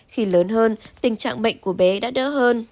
khi lớn hơn tình trạng bệnh của bé đã đỡ hơn